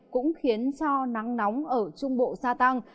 cũng khiến cho nắng nóng ở trung bộ gia tăng